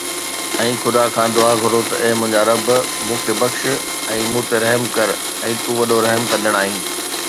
۽ خدا کان دعا گھرو ته اي منهنجا رب مون کي بخش ۽ مون تي رحم ڪر ۽ تون وڏو رحم ڪندڙ آهين